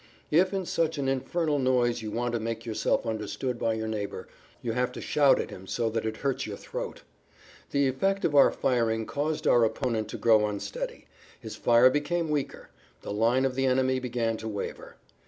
If in such an infernal noise you want to make yourself understood by your neighbor, you have to shout at him so that it hurts your throat. The effect of our firing caused our opponent to grow unsteady; his fire became weaker; the line of the enemy began to waver.